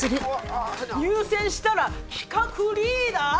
入選したら企画リーダー！？